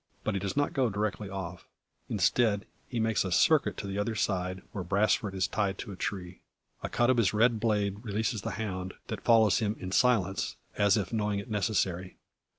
But he does not go directly off. Instead, he makes a circuit to the other side, where Brasfort is tied to a tree. A cut of his red blade releases the hound, that follows him in silence, as if knowing it necessary.